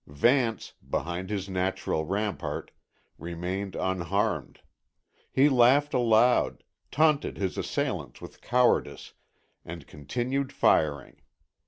Vance, behind his natural rampart, remained unharmed. He laughed aloud, taunted his assailants with cowardice, and continued firing.